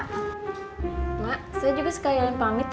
saya juga sekali lagi pamit ya